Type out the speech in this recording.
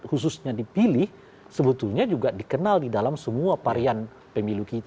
khususnya dipilih sebetulnya juga dikenal di dalam semua varian pemilu kita